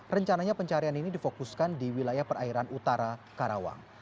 rencananya pencarian ini difokuskan di wilayah perairan utara karawang